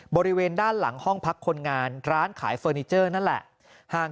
บริเวณด้านหลังห้องพักคนงานร้านขายเฟอร์นิเจอร์นั่นแหละ